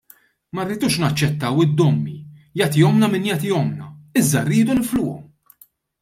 Ma rridux naċċettaw id-dommi, jagħtihomlna min jagħtihomlna, iżda rridu nifluhom!